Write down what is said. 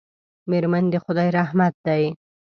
میرمن د خدای رحمت دی.